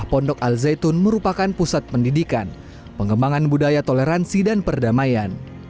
pondok al zaitun merupakan pusat pendidikan pengembangan budaya toleransi dan perdamaian